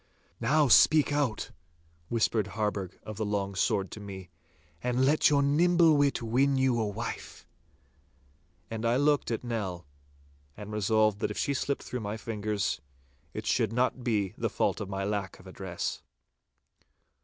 'Now speak out,' whispered Harburgh of the Long Sword to me, 'and let your nimble wit win you a wife.' And I looked at Nell, and resolved that if she slipped through my fingers, it should not be the fault of my lack of address.